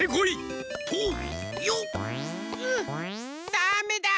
ダメだ！